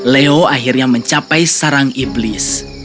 leo akhirnya mencapai sarang iblis